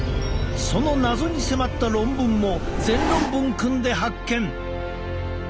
その謎に迫った論文も全論文くんで発見！